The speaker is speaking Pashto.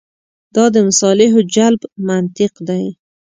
دا د مصالحو جلب منطق دی.